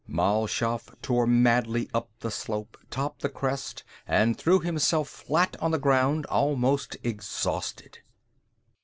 Mal Shaff tore madly up the slope, topped the crest, and threw himself flat on the ground, almost exhausted.